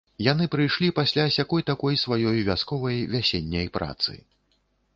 Яны прыйшлі пасля сякой-такой, сваёй вясковай, вясенняй працы.